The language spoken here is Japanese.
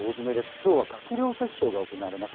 きょうは閣僚折衝が行われます。